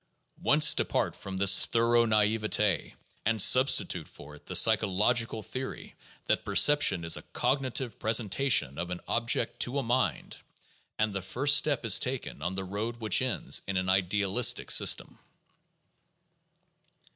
Once depart from this thorough naivete, and substitute for it the psycho logical theory that perception is a cognitive presentation of an object to a mind, and the first step is taken on the road which ends in an idealistic system.